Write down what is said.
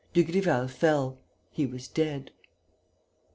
Dugrival fell. He was dead.